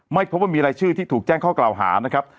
ไม่พบว่ามีรายชื่อที่ถูกแจ้งข้อกล่าวหานะครับ